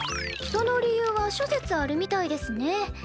その理由は諸説あるみたいですね。